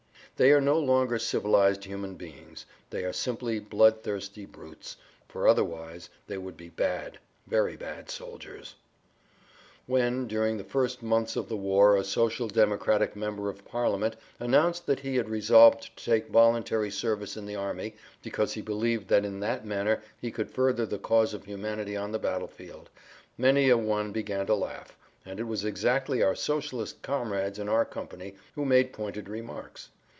They are no longer civilized human beings, they are simply bloodthirsty brutes, for otherwise they would be bad, very bad soldiers. When, during the first months of the war a Social Democratic member of parliament announced that he had resolved to take voluntary service in the army because he believed that in that manner he could further the cause of humanity on the battle field, many a one began to laugh, and it was exactly our Socialist comrades in our company who made pointed remarks.